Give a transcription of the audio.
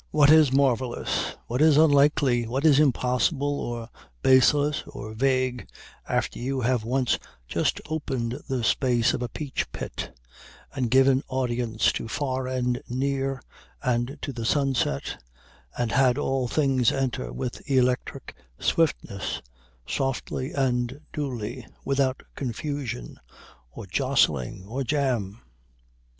What is marvelous? what is unlikely? what is impossible or baseless or vague after you have once just open'd the space of a peach pit, and given audience to far and near, and to the sunset, and had all things enter with electric swiftness, softly and duly, without confusion or jostling or jam?